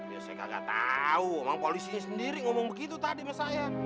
ya saya kagak tau emang polisinya sendiri ngomong begitu tadi mas saya